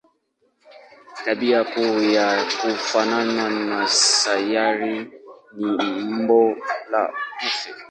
Tabia kuu ya kufanana na sayari ni umbo la tufe.